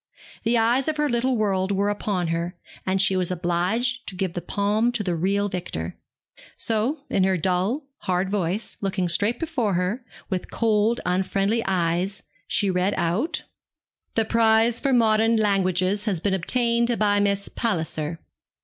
The eyes of her little world were upon her, and she was obliged to give the palm to the real victor. So, in her dull, hard voice, looking straight before her, with cold, unfriendly eyes, she read out 'The prize for modern languages has been obtained by Miss Palliser!'